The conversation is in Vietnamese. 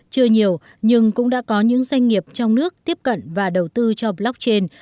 chưa nhiều nhưng cũng đã có những doanh nghiệp trong nước tiếp cận và đầu tư cho blockchain